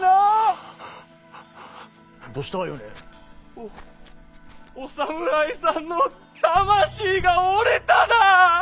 おお侍さんの魂が折れただ！